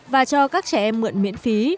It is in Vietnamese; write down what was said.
và cho các trẻ em mượn miễn phí